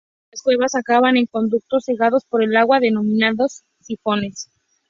Muchas de las cuevas acaban en conductos cegados por el agua, denominados sifones.